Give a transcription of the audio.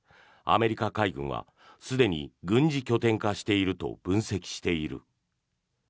アメリカ海軍はすでに軍事拠点化していると分析している。